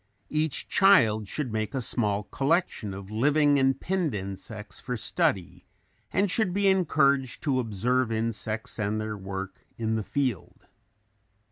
Each child should make a small collection of living and pinned insects for study and should be encouraged to observe insects and their work in the field.